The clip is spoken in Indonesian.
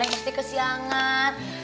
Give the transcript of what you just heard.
neng pasti kesiangan